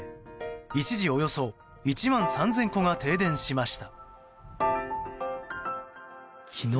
一時およそ１万３０００戸が停電しました。